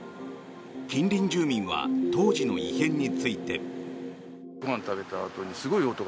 近隣住民は当時の異変について。